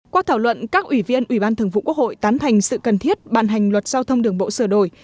qua thảo luận các ủy viên ủy ban thường vụ quốc hội tán thành sự cần thiết bàn hành luật giao thông đường bộ sửa đổi